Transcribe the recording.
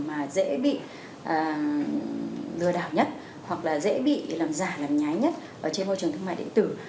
mà dễ bị lừa đảo nhất hoặc là dễ bị làm giả làm nhái nhất trên môi trường thương mại điện tử